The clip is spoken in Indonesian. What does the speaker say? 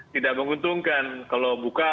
tidak menguntungkan kalau buka